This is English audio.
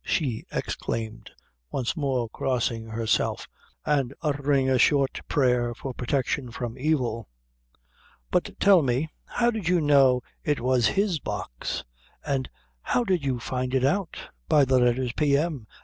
she exclaimed, once more crossing herself, and uttering a short prayer for protection from evil; "but tell me, how did you know it was his Box, and how did you find it out?" "By the letters P. M.